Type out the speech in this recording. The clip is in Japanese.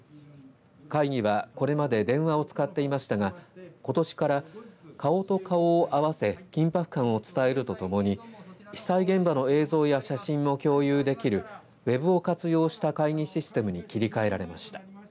会議は、これまで電話を使っていましたがことしから、顔と顔を合わせ緊迫感を伝えるとともに被災現場の映像や写真も共有できるＷＥＢを活用した会議システムに切り替えられました。